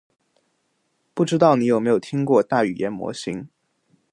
不知道你有没有听过大语言模型？